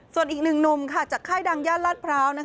ส่วนอีกหนึ่งหนุ่มจากค่ายดังย่านลาดพร้าว